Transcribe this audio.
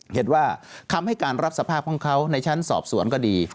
เห็นว่าคำให้การรับสภาพของเขาในชั้นสอบสวนก็ดี